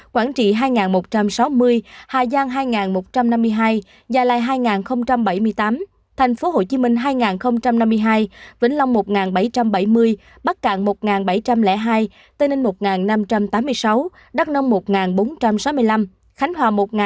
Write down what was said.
quảng bình ba sáu trăm năm mươi sáu